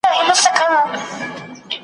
هغه حق په ژوند کي نه سی اخیستلای .